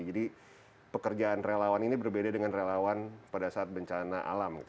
jadi pekerjaan relawan ini berbeda dengan relawan pada saat bencana alam